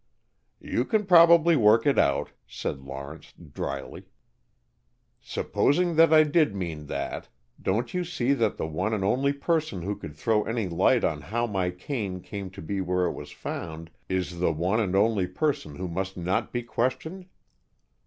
"You can probably work it out," said Lawrence drily. "Supposing that I did mean that, don't you see that the one and only person who could throw any light on how my cane came to be where it was found is the one and only person who must not be questioned?"